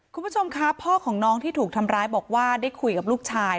คุณผู้ชมครับพ่อของน้องที่ถูกทำร้ายบอกว่าได้คุยกับลูกชาย